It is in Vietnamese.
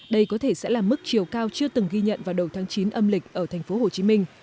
đây có thể sẽ là mức chiều cao chưa từng ghi nhận vào đầu tháng chín âm lịch ở thành phố hồ chí minh